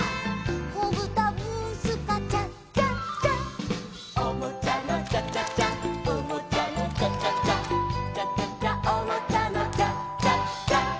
「こぶたブースカチャチャチャ」「おもちゃのチャチャチャおもちゃのチャチャチャ」「チャチャチャおもちゃのチャチャチャ」